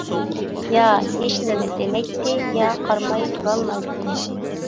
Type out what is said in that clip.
يا ھېچنېمە دېمەيتتى يا قارىماي تۇرالمايتتى.